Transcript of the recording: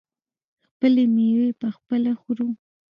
خپلې میوې پخپله خورو.